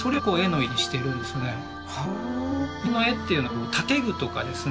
日本の絵っていうのはこう建具とかですね